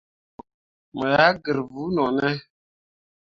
Mo yah gǝr vuu no ne ?